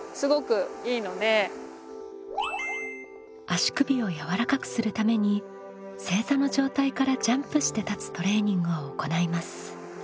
足首を柔らかくするために正座の状態からジャンプして立つトレーニングを行います。